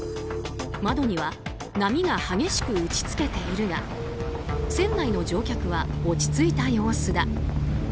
窓には波が激しく打ち付けているが船内の乗客は落ち着いた様子だ。